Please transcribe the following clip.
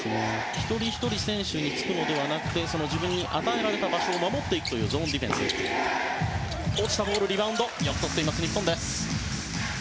一人ひとり選手につくのではなく自分に与えられた場所を守っていくというゾーンディフェンスです。